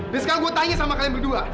dan sekarang gue tanya sama kalian berdua